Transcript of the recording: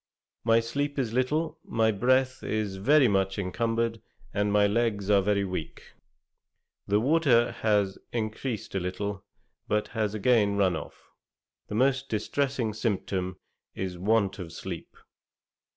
My sleep is little, my breath is very much encumbered, and my legs are very weak. The water has encreased a little, but has again run off. The most distressing symptom is want of sleep.'